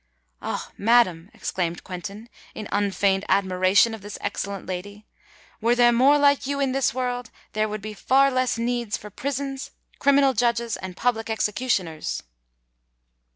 "Ah! madam," exclaimed Quentin, in unfeigned admiration of this excellent lady; "were there more like you in this world, there would be far less need for prisons, criminal judges, and public executioners!"